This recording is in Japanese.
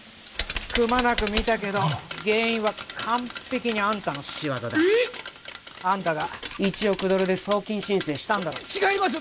くまなく見たけど原因は完璧にあんたの仕業だえっあんたが１億ドルで送金申請したんだろ違います